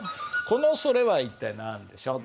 この「それ」は一体何でしょう？